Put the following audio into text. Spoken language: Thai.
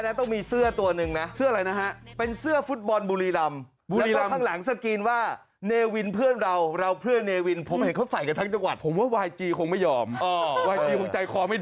อ้าวแต่ว่าเพลงดังมาก